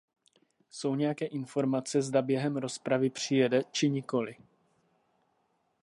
Jsou nějaké informace, zda během rozpravy přijede, či nikoli?